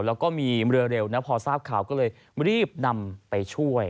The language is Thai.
แล้วก็มีเรือเร็วนะพอทราบข่าวก็เลยรีบนำไปช่วย